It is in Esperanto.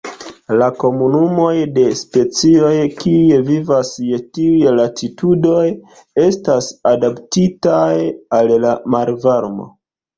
La komunumoj de specioj kiuj vivas je tiuj latitudoj estas adaptitaj al la malvarmo.